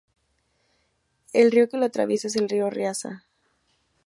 El río que lo atraviesa es el río Riaza.